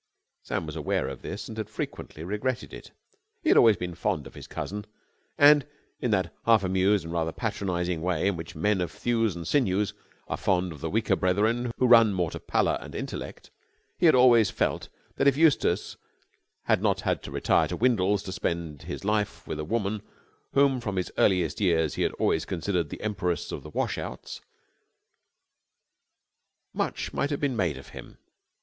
Sam was aware of this and had frequently regretted it. He had always been fond of his cousin and in that half amused and rather patronising way in which men of thews and sinews are fond of the weaker brethren who run more to pallor and intellect; and he had always felt that if Eustace had not had to retire to Windles to spend his life with a woman whom from his earliest years he had always considered the Empress of the Wash outs much might have been made of him.